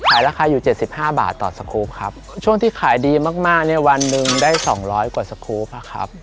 ราคาอยู่เจ็ดสิบห้าบาทต่อสครูปครับช่วงที่ขายดีมากมากเนี่ยวันหนึ่งได้สองร้อยกว่าสครูปอะครับ